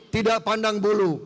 tidak pandang bulu